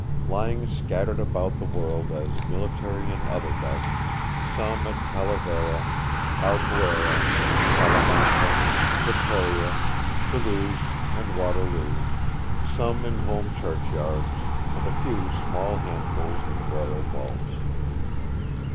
lying scattered about the world as military and other dust, some at Talavera, Albuera, Salamanca, Vittoria, Toulouse, and Waterloo; some in home churchyards; and a few small handfuls in royal vaults.